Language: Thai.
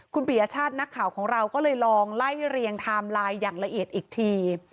คุณปียชาตินักข่าวของเราก็เลยลองไล่เรียงไทม์ไลน์อย่างละเอียดอีกที